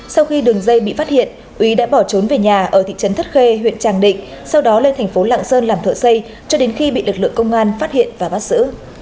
sau khi đường dây bị phát hiện quý đã bỏ trốn về nhà ở thị trấn thất khê huyện tràng định sau đó lên thành phố lạng sơn làm thợ xây cho đến khi bị lực lượng công an phát hiện và bắt giữ